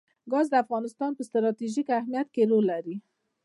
ګاز د افغانستان په ستراتیژیک اهمیت کې رول لري.